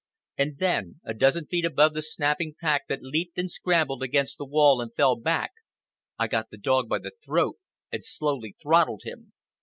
And then, a dozen feet above the snapping pack that leaped and scrambled against the wall and fell back, I got the dog by the throat and slowly throttled him.